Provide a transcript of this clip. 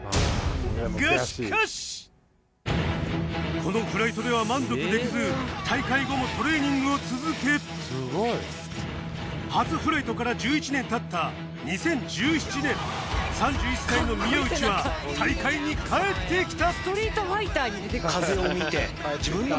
このフライトでは満足できず大会後もトレーニングを続け初フライトから１１年経った２０１７年３１歳の宮内は大会に帰ってきた！